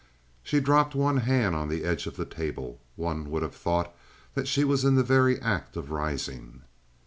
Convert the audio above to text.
She dropped one hand on the edge of the table. One would have thought that she was in the very act of rising.